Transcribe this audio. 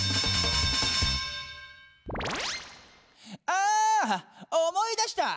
あ思い出した。